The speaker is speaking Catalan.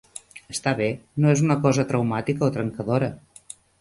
Està bé, no és una cosa traumàtica o trencadora.